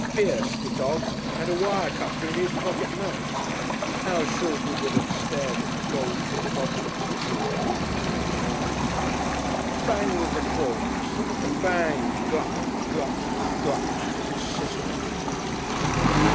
Pierce, the dog! had a wire cutter in his pocket knife. How Shalford would have stared at the gold tipped bottles if he had chanced to take an early train! Bang with the corks, and bang! Gluck, gluck, gluck, and sizzle!